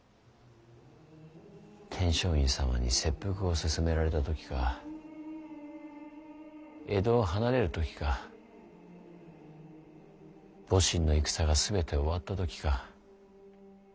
天璋院様に切腹を勧められた時か江戸を離れる時か戊辰の戦が全て終わった時か。